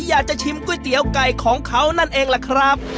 อยากจะชิมก๋วยเตี๋ยวไก่ของเขานั่นเองล่ะครับ